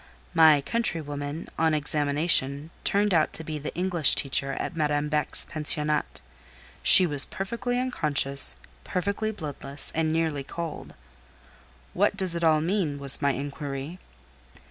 "My countrywoman, on examination, turned out to be the English teacher at Madame Beck's pensionnat. She was perfectly unconscious, perfectly bloodless, and nearly cold. "'What does it all mean?' was my inquiry.